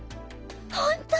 ほんと！？